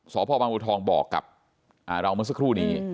สพบังอุทองบอกกับเราเมื่อสักครู่นี้